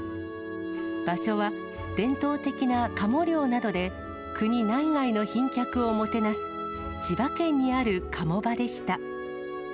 場所は伝統的なカモ猟などで、国内外の賓客をもてなす、千葉県にある鴨場でした。